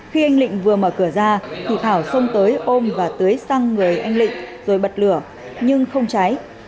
khi anh lịnh vừa mở cửa ra thảo xông tới ôm và tưới xăng người anh lịnh rồi bật lửa nhưng không cháy